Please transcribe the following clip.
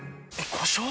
故障？